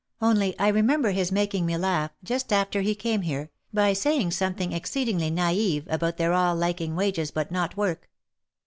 Only I remember his making me laugh, just after he came here, by saying something exceedingly naive about their all liking wages but not work.